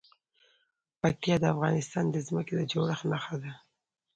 پکتیا د افغانستان د ځمکې د جوړښت نښه ده.